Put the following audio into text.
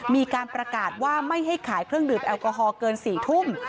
มีการประกาศว่าไม่ให้ขายเครื่องดื่มแอลกอฮอลเกิน๔ทุ่ม